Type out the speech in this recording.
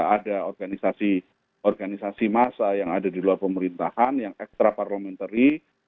ada organisasi organisasi massa yang ada di luar pemerintahan yang extra parliamentary